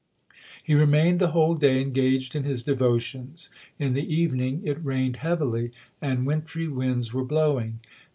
He remained the whole day engaged in his devotions. In the evening it rained heavily and wintry winds were blowing.